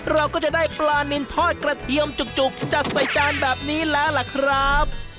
เราก็จะได้ปลานินทอดกระเทียมจุกจัดใส่จานแบบนี้แล้วล่ะครับ